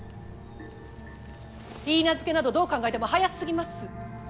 許婚などどう考えても早すぎます！